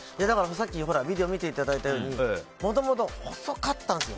さっきビデオ見ていただいたようにもともと細かったんですよ。